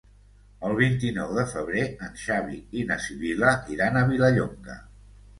El vint-i-nou de febrer en Xavi i na Sibil·la iran a Vilallonga.